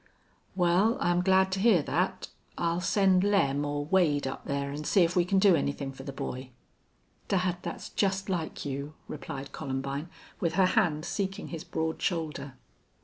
"Wal, I'm glad to hear thet. I'll send Lem or Wade up thar an' see if we can do anythin' fer the boy." "Dad that's just like you," replied Columbine, with her hand seeking his broad shoulder.